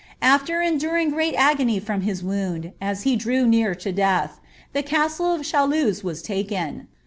After enduring great agony ligii liis wound, as he drew near to death, the castle of Chaluz was lakea.